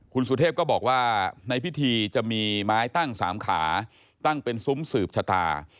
คุณสุเทพก็บอกว่าในพิธีจะมีไม้ตั้ง๓ขาตั้งเป็นซุ้มสืบชะตา